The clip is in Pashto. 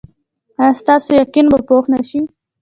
ایا ستاسو یقین به پوخ نه شي؟